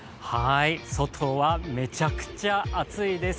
外はめちゃくちゃ暑いです。